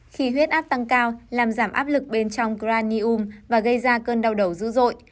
khi huyết áp tăng cao làm giảm áp lực bên trong granium và gây ra cơn đau đầu dữ dội